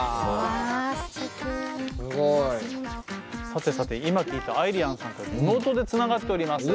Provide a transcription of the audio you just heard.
さてさて今聴いたＡｉｌｉｅｎさんとリモートでつながっております。